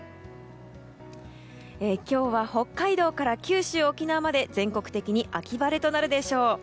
今日は、北海道から九州・沖縄まで全国的に秋晴れとなるでしょう。